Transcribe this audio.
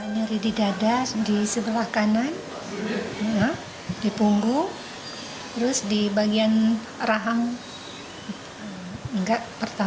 nyeri di dada di sebelah kanan di punggung terus di bagian rahang enggak pertama